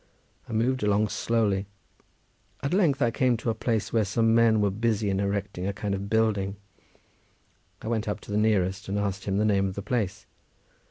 I moved along slowly. At length I came to a place where some men were busy in erecting a kind of building. I went up to the nearest and asked him the name of the place.